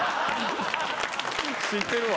知ってるわ。